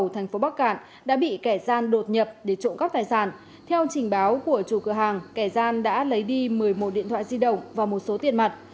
theo trình báo của chủ cửa hàng kẻ gian đã lấy đi một mươi một điện thoại di động và một số tiền mặt